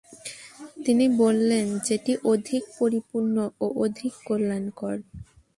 তিনি বললেন, যেটি অধিক পরিপূর্ণ ও অধিক কল্যাণকর।